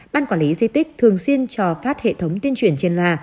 ban quản lý di tích thường xuyên cho phát hệ thống tuyên truyền trên loa